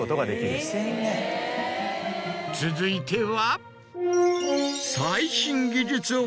続いては。